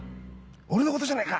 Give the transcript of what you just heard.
俺のことじゃねえか！！